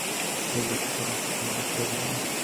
তবুও কি তোমরা শিক্ষা গ্রহণ করবে না?